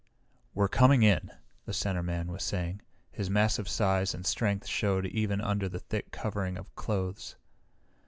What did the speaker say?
"We're coming in," the center man was saying. His massive size and strength showed even under the thick covering of clothes.